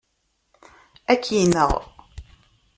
Ad k-yenɣ.